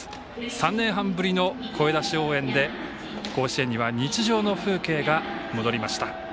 ３年半ぶりの声出し応援で甲子園には日常の風景が戻りました。